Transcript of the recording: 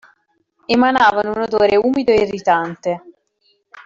Emanavano un odore umido e irritante.